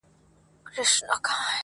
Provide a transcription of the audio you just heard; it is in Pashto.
تر ابده له دې ښاره سو بېزاره!